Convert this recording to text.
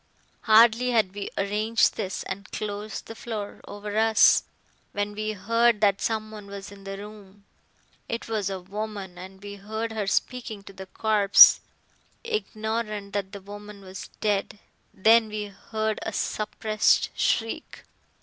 Hardly had we arranged this and closed the floor, over us when we heard that someone was in the room. It was a woman, and we heard her speaking to the corpse, ignorant that the woman was dead. Then we heard a suppressed shriek.